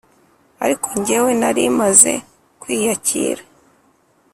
ariko njyewe nari maze kwiyakira